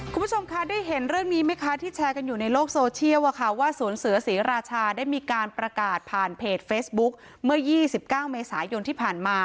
คุณผู้ชมคะได้เห็นเรื่องนี้ไหมคะที่แชร์กันอยู่ในโลกโซเชียลว่าสวนเสือศรีราชาได้มีการประกาศผ่านเพจเฟซบุ๊กเมื่อ๒๙เมษายนที่ผ่านมา